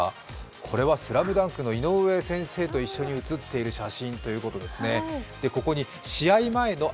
これは「ＳＬＡＭＤＵＮＫ」の井上先生と一緒に写っている写真ということですね。